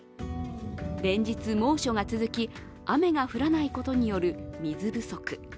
連日猛暑が続き、雨が降らないことによる水不足。